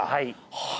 はい。